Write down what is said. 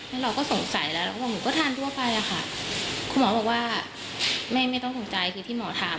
แล้วเราก็สงสัยแล้วเราก็บอกหนูก็ทานทั่วไปอะค่ะคุณหมอบอกว่าไม่ไม่ต้องตกใจคือที่หมอทาน